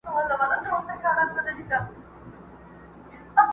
مقرر سوه دواړه سم یوه شعبه کي.